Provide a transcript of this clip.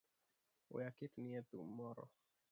We aketni e thum moro.